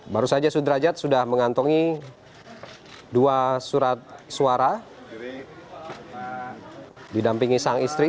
baru saja sudrajat sudah mengantongi dua surat suara didampingi sang istri